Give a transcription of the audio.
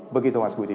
begitu mas budi